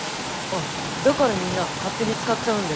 あっだからみんな勝手に使っちゃうんだよ。